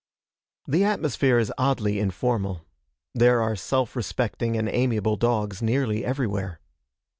The atmosphere is oddly informal. There are self respecting and amiable dogs nearly everywhere.